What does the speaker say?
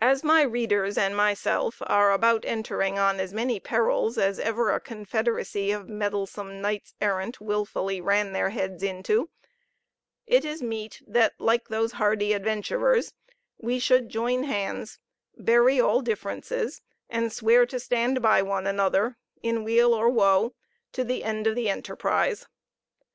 As my readers and myself are about entering on as many perils as ever a confederacy of meddlesome knights errant wilfully ran their heads into it is meet that, like those hardy adventurers, we should join hands, bury all differences, and swear to stand by one another, in weal or woe, to the end of the enterprise.